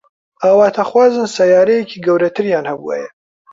ئاواتەخوازن سەیارەیەکی گەورەتریان هەبوایە.